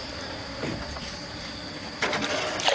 พร้อมทุกสิทธิ์